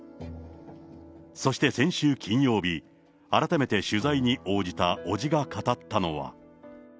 そして先週金曜日、改めて取材に応じた伯父が語ったのは。